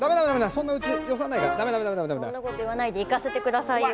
そんなこと言わないで行かせてくださいよ。